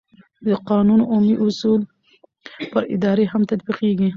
د قانون عمومي اصول پر ادارې هم تطبیقېږي.